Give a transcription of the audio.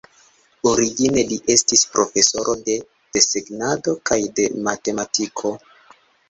Origine li estis profesoro de desegnado kaj de matematiko.